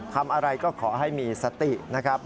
ทำอะไรก็ขอให้มีสตินะครับ